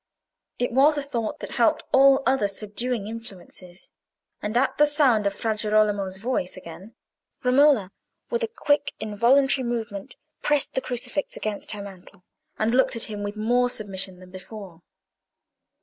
It was a thought that helped all other subduing influences; and at the sound of Fra Girolamo's voice again, Romola, with a quick involuntary movement, pressed the crucifix against her mantle and looked at him with more submission than before.